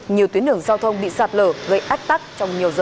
nhiều tuyến đường giao thông bị sạt lở gây ách tắc trong nhiều giờ